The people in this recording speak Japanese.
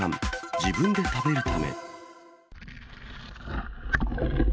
自分で食べるため。